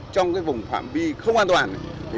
trong vùng phạm bi không an toàn